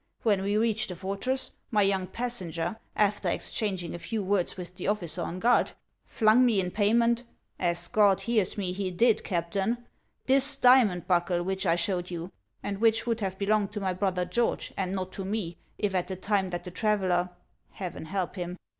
When we reached o o the fortress, my young passenger, after exchanging a few words with the officer on guard, flung me in payment — as God hears me, he did, Captain — this diamond buckle which I showed you, and which would have belonged to my brother George, and not to me, if at the time that the traveller — Heaven help him